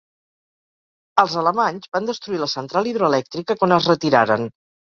Els alemanys van destruir la central hidroelèctrica quan es retiraren.